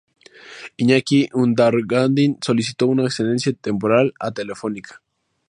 Iñaki Urdangarin solicitó una excedencia temporal a Telefónica.